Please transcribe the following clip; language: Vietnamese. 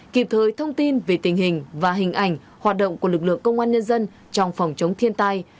kịp thời thông tin về tình hình và hình ảnh hoạt động của lực lượng công an nhân dân trong phòng chống thiên tai